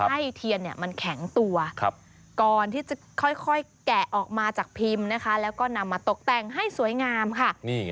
ให้เทียนมันแข็งตัวก่อนที่จะค่อยแกะออกมาจากพิมพ์นะคะแล้วก็นำมาตกแต่งให้สวยงามค่ะ